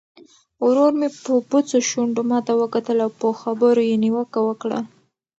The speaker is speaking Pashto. ورور مې په بوڅو شونډو ماته وکتل او په خبرو یې نیوکه وکړه.